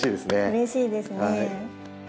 うれしいですね。